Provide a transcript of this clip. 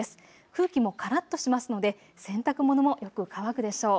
空気もからっとしますので洗濯物もよく乾くでしょう。